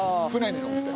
舟に乗って。